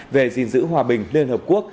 về diện giữ hòa bình liên hợp quốc